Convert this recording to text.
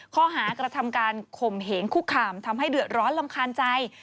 ข้อหากระทำการข่มเหงคุกคามทำให้เดือดร้อนรำคาญใจ